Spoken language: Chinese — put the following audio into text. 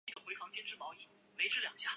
马尼朗贝尔。